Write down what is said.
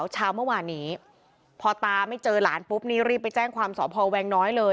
เช้าเมื่อวานนี้พอตาไม่เจอหลานปุ๊บนี่รีบไปแจ้งความสอบพอแวงน้อยเลย